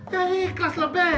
ya ikhlas lah be